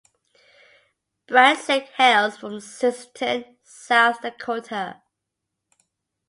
Brantseg hails from Sisseton, South Dakota.